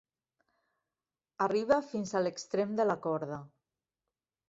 Arriba fins a l'extrem de la corda.